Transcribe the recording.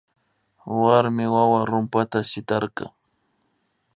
Warmi wawa rumpata shitarka